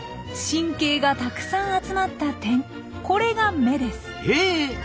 神経がたくさん集まった点これが目です。